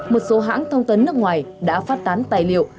một số hãng thông tấn nước ngoài đã phát tán tài liệu